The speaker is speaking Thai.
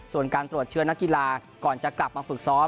ส่วนการตรวจเชื้อนักกีฬาก่อนจะกลับมาฝึกซ้อม